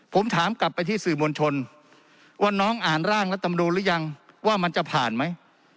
ผมถามกลับไปที่สื่อมวลชนว่าน้องอ่านร่างรัฐมนูลหรือยังว่ามันจะผ่านไหม